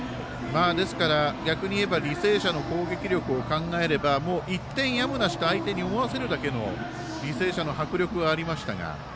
ですから、逆にいえば履正社の攻撃力を考えればもう１点やむなしと相手に思わせるだけの履正社の迫力はありましたが。